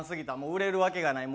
売れるわけがない。